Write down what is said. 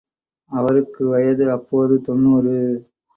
அவருக்கு வயது அப்போது தொண்ணூறு.